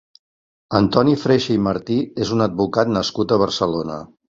Antoni Freixa i Martí és un advocat nascut a Barcelona.